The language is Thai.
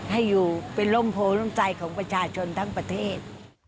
ให้อยู่เป็นร่มโพร่มใจของประชาชนทั้งประเทศ